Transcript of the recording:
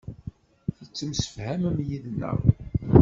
Temsefhamem yid-neɣ.